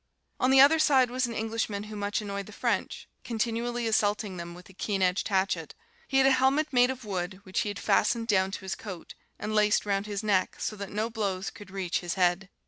"On the other side was an Englishman who much annoyed the French, continually assaulting them with a keen edged hatchet. He had a helmet made of wood, which he had fastened down to his coat, and laced round his neck, so that no blows could reach his head.